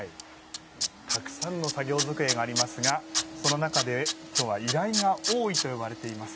たくさんの作業机がありますがその中で今日は依頼が多いといわれています